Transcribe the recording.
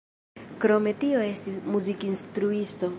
Krome tio estis muzikinstruisto.